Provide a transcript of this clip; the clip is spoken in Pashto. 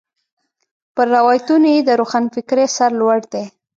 پر روایتونو یې د روښنفکرۍ سر لوړ دی.